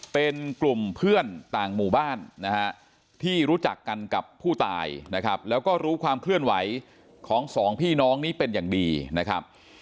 เป็นกลุ่มเพื่อนต่างหมู่บ้านนะฮะที่รู้จักกันกับผู้ตายนะครับแล้วก็รู้ความเคลื่อนไหวของสองพี่น้องนี้เป็นอย่างดีนะครับ